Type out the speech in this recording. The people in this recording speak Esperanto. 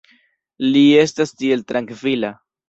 Li estas tiel trankvila.